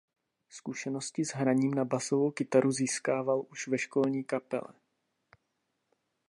Zkušenosti s hraním na basovou kytaru získával už ve školní kapele.